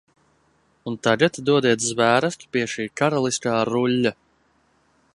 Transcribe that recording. Un tagad dodiet zvērestu pie šī karaliskā ruļļa!